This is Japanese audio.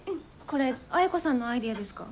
これ綾子さんのアイデアですか？